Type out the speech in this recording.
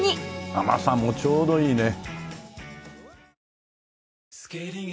甘さもちょうどいいね。